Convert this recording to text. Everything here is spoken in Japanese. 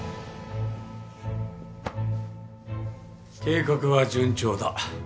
計画は順調だ。